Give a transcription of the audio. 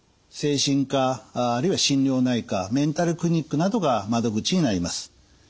精神科あるいは心療内科メンタルクリニックなどが窓口になります。